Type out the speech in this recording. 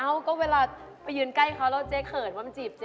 ก็เวลาไปยืนใกล้เขาแล้วเจ๊เขินว่ามันจีบเจ๊